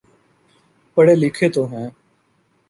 پڑھے لکھے تو ہیں۔